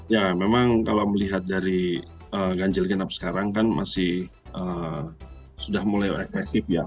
ya memang kalau melihat dari ganjil genap sekarang kan masih sudah mulai efektif ya